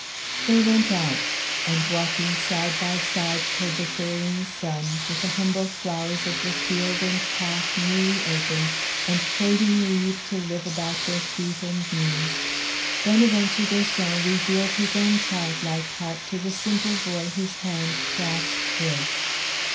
They went out; and walking side by side toward the failing sun, with the humble flowers of the field and path newly opened and craving leave to live about their feet and knees, Bonaventure Deschamps revealed his own childlike heart to the simple boy whose hand clasped his.